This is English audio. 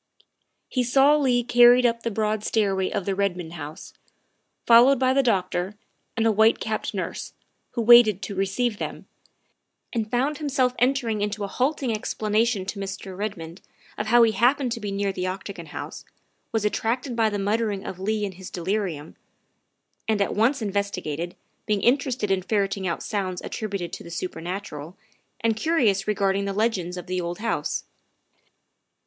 He saw Leigh carried up the broad stairway of the Redmond house, followed by the doctor and a white capped nurse, who waited to receive them, and found himself entering into a halting explanation to Mr. Red mond of how he happened to be near the Octagon House, was attracted by the muttering of Leigh in his delirium, and at once investigated, being interested in ferreting THE SECRETARY OF STATE 263 out sounds attributed to the supernatural, and curious regarding the legends of the old house.